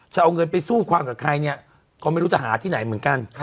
จะเอาเงินไปสู้ความกับใครเนี่ยก็ไม่รู้จะหาที่ไหนเหมือนกัน